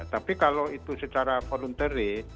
tapi kalau itu secara voluntary